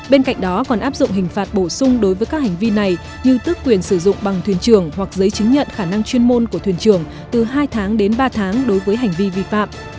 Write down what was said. bên cạnh đó còn áp dụng hình phạt bổ sung đối với các hành vi này như tước quyền sử dụng bằng thuyền trường hoặc giấy chứng nhận khả năng chuyên môn của thuyền trưởng từ hai tháng đến ba tháng đối với hành vi vi phạm